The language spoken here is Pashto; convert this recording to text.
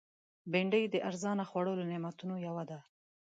بېنډۍ د ارزانه خوړو له نعمتونو یوه ده